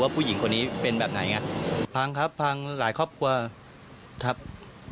ว่าผู้หญิงคนนี้เป็นแบบไหนภังครับพังหลายครอบบ่าทำร้าย